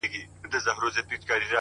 • په خپل زړه یې د دانې پر لور ګزر سو -